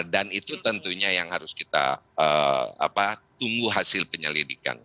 dan itu tentunya yang harus kita tunggu hasil penyelidikan